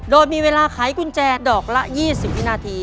โดยมีเวลาไขกุญแจดอกละ๒๐วินาที